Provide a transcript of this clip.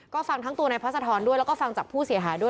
ก็ฟังทั้งตัวนายพัศธรด้วยแล้วก็ฟังจากผู้เสียหายด้วย